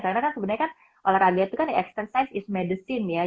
karena sebenarnya kan olahraga itu kan exercise is medicine ya